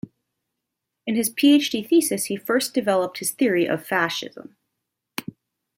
In his PhD thesis he first developed his theory of fascism.